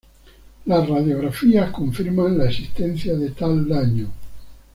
Las radiografías confirman la existencia de tal daño.